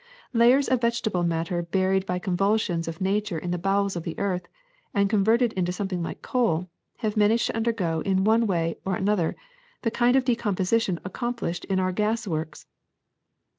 Layers of vegetable matter buried by convulsions of nature in the bowels of the earth, and converted into something like coal, have managed to undergo in one way or another the kind of decomposition accomplished in our gas works.